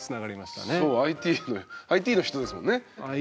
そうＩＴＩＴの人ですもんね。